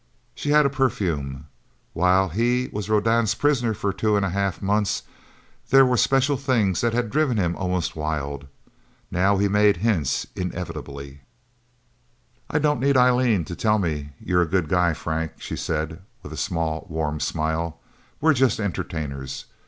She had a perfume. While he was Rodan's prisoner for two and a half months, there were special things that had driven him almost wild. Now he made hints, inevitably. "I don't need Eileen to tell me you're a good guy, Frank," she said with a small, warm smile. "We're just entertainers.